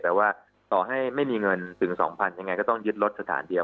แต่ว่าต่อให้ไม่มีเงินถึง๒๐๐ยังไงก็ต้องยึดรถสถานเดียว